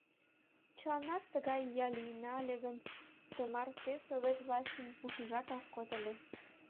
Чыланат тыгай ия лийына ыле гын, тымарте Совет властьын пушыжат ок код ыле.